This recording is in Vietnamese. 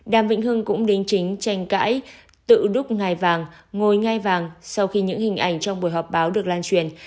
đàm vĩnh hưng cũng đính chính tranh cãi tự đúc ngài vàng ngồi ngay vàng sau khi những hình ảnh trong buổi họp báo được lan truyền